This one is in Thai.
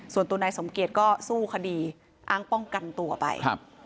ส่วนตัวนายสมเกียจก็สู้คดีอ้างป้องกันตัวไป